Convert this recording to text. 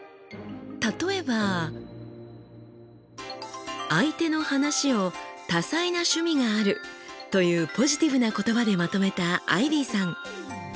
例えば相手の話を「たさいなしゅみがある」というポジティブな言葉でまとめたアイビーさん。